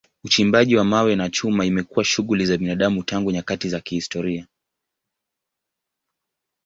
Uchimbaji wa mawe na chuma imekuwa shughuli za binadamu tangu nyakati za kihistoria.